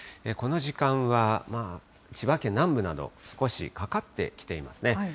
この時間はまあ千葉県南部など、少しかかってきていますね。